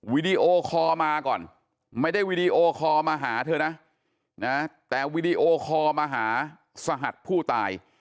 วิดีโอคอลมาก่อนไม่ได้วีดีโอคอลมาหาเธอนะแต่วีดีโอคอลมาหาสหัสผู้ตาย